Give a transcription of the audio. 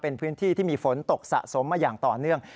เป็นพื้นที่ที่มีฝนตกสะสมมาอย่างต่อเนื่อง